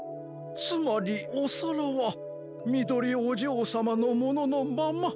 つまりおさらはみどりおじょうさまのもののまま？